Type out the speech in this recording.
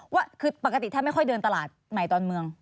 ว่าคือปกติท่านไม่ค่อยเดินตลาดใหม่ตอนเมือง